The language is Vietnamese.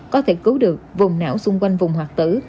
có thể cứu được vùng não xung quanh vùng hoại tử